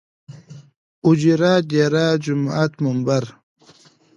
اوجره ، ديره ،جومات ،ممبر